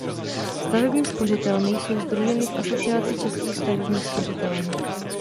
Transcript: Stavební spořitelny jsou sdruženy v Asociaci českých stavebních spořitelen.